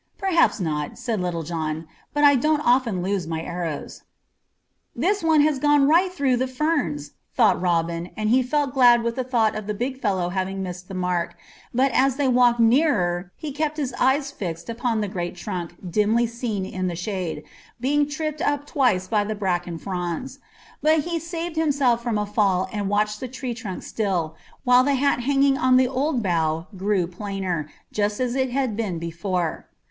"Perhaps not," said Little John, "but I don't often lose my arrows." "This one has gone right through the ferns," thought Robin, and he felt glad with the thought of the big fellow having missed the mark, but as they walked nearer, he kept his eyes fixed upon the great trunk dimly seen in the shade, being tripped up twice by the bracken fronds; but he saved himself from a fall and watched the tree trunk still, while the hat hanging on the old bough grew plainer, just as it had been before.